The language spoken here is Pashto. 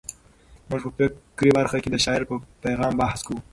موږ په فکري برخه کې د شاعر په پیغام بحث کوو.